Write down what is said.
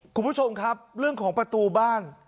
คุณผู้ชมครับเรื่องของประตูบ้าน